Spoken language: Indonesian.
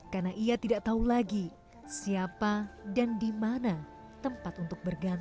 karena ia tidak tahu lagi siapa dan di mana tempat untuk bergabung